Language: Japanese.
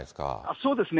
そうですね。